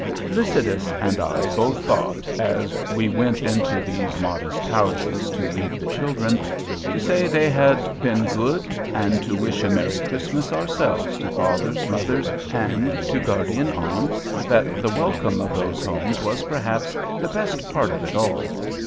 Lycidas and I both thought, as we went into these modest houses, to leave the children, to say they had been good and to wish a "Merry Christmas" ourselves to fathers, mothers, and to guardian aunts, that the welcome of those homes was perhaps the best part of it all.